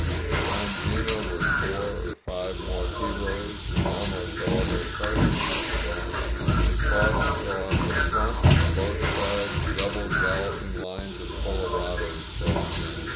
Around 'Gino were four or five more heroes, with almost all their cartridges gone. They fought until on the front and on both sides double galloping lines of colorados closed in.